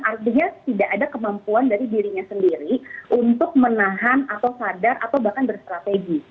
artinya tidak ada kemampuan dari dirinya sendiri untuk menahan atau sadar atau bahkan bersrategi